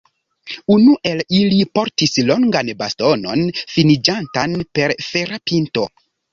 Unu el ili portis longan bastonon finiĝantan per fera pinto.